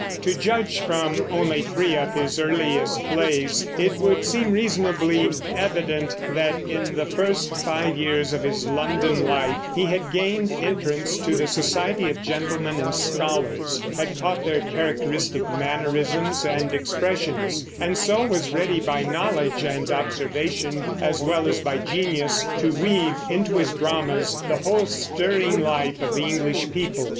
To judge from only three of his earliest plays it would seem reasonably evident that in the first five years of his London life he had gained entrance to the society of gentlemen and scholars, had caught their characteristic mannerisms and expressions, and so was ready by knowledge and observation as well as by genius to weave into his dramas the whole stirring life of the English people.